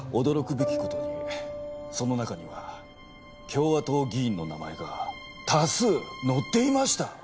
驚くべき事にその中には共和党議員の名前が多数載っていました！